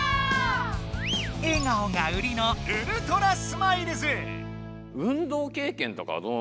えがおが売りのウルトラスマイルズ！